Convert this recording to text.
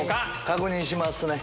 確認しますね。